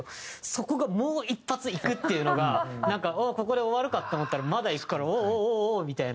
そこがもう一発いくっていうのがここで終わるかと思ったらまだいくからおおおおおお！みたいな。